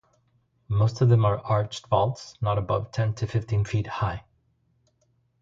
Most of them are arched vaults, not above ten to fifteen feet high.